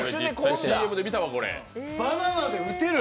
ＣＭで見たわ、これ。